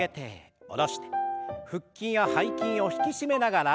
腹筋や背筋を引き締めながら。